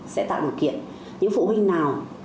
sẽ tạo điều kiện những phụ huynh nào